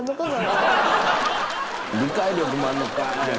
理解力もあんのかい！